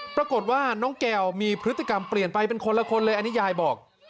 ปรากฏว่าน้องแก้วมีพฤติกรรมเปลี่ยนไปเป็นคนละคนเลยอันนี้ยายบอก